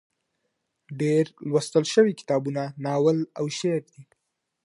ډېر لوستل شوي کتابونه ناول او شعر دي.